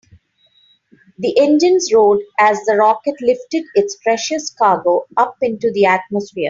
The engines roared as the rocket lifted its precious cargo up into the atmosphere.